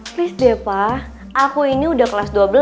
please depa aku ini udah kelas